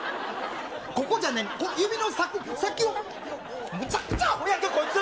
ここじゃない、指の先、先を、むちゃくちゃあほやで、こいつ！